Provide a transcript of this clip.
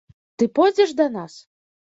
Ты пойдзеш да нас?